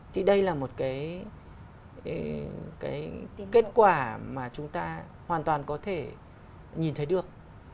thì đây là một cái kết quả mà chúng ta hoàn toàn có thể nhìn thấy được